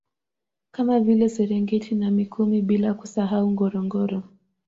Kama vile Serengeti na Mikumi bila kusahau Ngorongoro